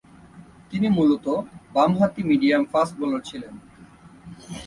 তিনি মূলতঃ বামহাতি মিডিয়াম ফাস্ট বোলার ছিলেন।